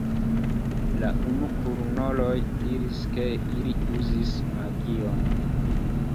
La unukornuloj diris, ke ili uzis magion.